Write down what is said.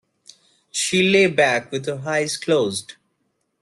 She lay back with her eyes closed.